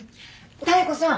妙子さん